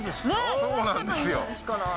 そうなんですよ。